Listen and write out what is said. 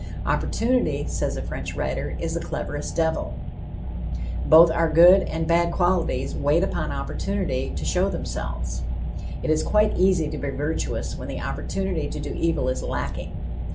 "Opportunity," says a French writer, "is the cleverest devil." Both our good and bad qualities wait upon opportunity to show themselves. It is quite easy to be virtuous when the opportunity to do evil is lacking.